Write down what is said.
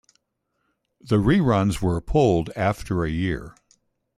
The reruns were pulled after a year.